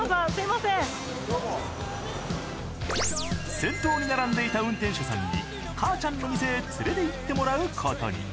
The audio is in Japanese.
先頭に並んでいた運転手さんにかあちゃんの店へ連れて行ってもらうことに。